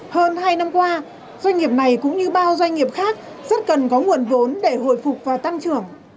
hơn hai năm qua doanh nghiệp này cũng như bao doanh nghiệp khác rất cần có nguồn vốn để hồi phục và tăng trưởng